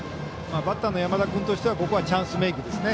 バッターの山田君としてはここはチャンスメークですね。